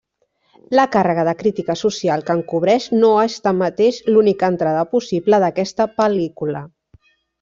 La càrrega de crítica social que encobreix no és tanmateix l'única entrada possible d'aquesta pel·lícula.